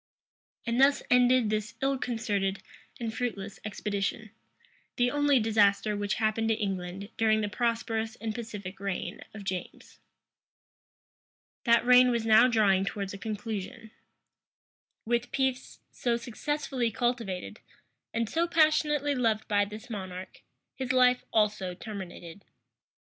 } And thus ended this ill concerted and fruitless expedition; the only disaster which happened to England during the prosperous and pacific reign of James. That reign was now drawing towards a conclusion. With peace, so successfully cultivated, and so passionately loved by this monarch, his life also terminated.